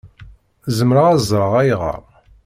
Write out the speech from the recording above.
Zemreɣ ad ẓṛeɣ ayɣeṛ?